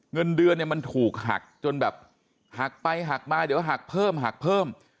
เงินเดือนเนี่ยมันถูกหักจนแบบหักไปหักมาเดี๋ยวหักเพิ่มหักเพิ่ม